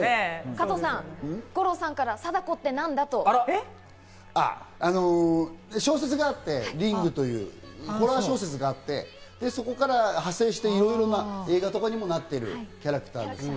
加藤さん、五郎さんから『リング』というホラー小説があって、そこから派生して、いろいろな映画とかにもなってるキャラクターです。